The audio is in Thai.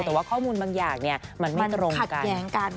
แต่ว่าข้อมูลบางอย่างเนี่ยมันไม่ตรงกัน